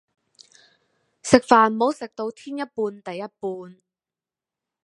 食飯唔好食到天一半地一半